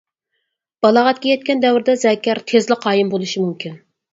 بالاغەتكە يەتكەن دەۋردە زەكەر تېزلا قايىم بولۇشى مۇمكىن.